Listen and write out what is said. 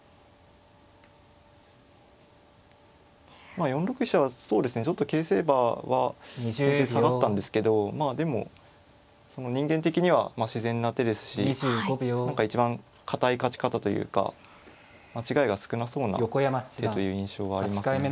まあ４六飛車はそうですねちょっと形勢バーは後手下がったんですけどまあでも人間的には自然な手ですし何か一番堅い勝ち方というか間違いが少なそうな手という印象はありますね。